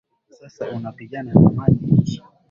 Sasa unapigana na maji